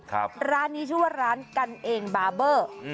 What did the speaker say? ร้านนี้ชื่อว่าร้านกันเองบาร์เบอร์อืม